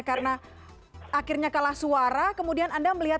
karena akhirnya kalah suara kemudian anda melihat